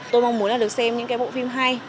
tôi mong muốn được xem những bộ phim hay